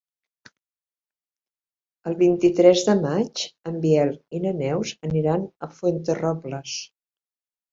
El vint-i-tres de maig en Biel i na Neus aniran a Fuenterrobles.